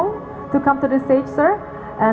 untuk datang ke pangkat ini tuan